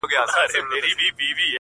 البته یو داسې فکر رنګی غزل هم لري